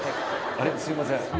すみません。